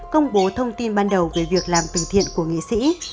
công bố thông tin ban đầu về việc làm từ thiện của nghị sĩ